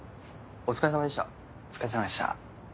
お疲れさまでした。